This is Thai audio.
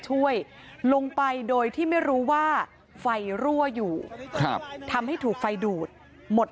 ช่วยลงไปโดยที่ไม่รู้ว่าไฟรั่วอยู่ครับทำให้ถูกไฟดูดหมด